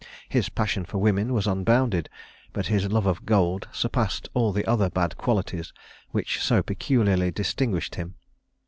His passion for women was unbounded; but his love of gold surpassed all the other bad qualities which so peculiarly distinguished him.